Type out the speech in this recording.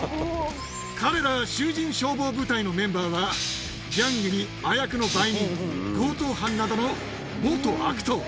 彼ら囚人消防部隊のメンバーは、ギャングに麻薬の売人、強盗犯などの元悪党。